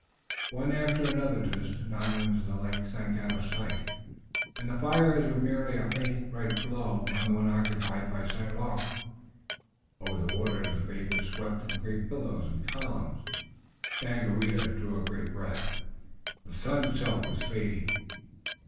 One after another the distant islands in the lake sank out of sight, and the fires were merely a faint red glow on the one occupied by St. Luc. Over the waters the vapors swept in great billows and columns. Daganoweda drew a great breath. The sun itself was fading.